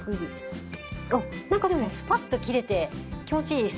おっ何かスパッと切れて気持ちいい。